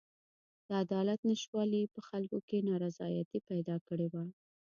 د عدالت نشتوالي په خلکو کې نارضایتي پیدا کړې وه.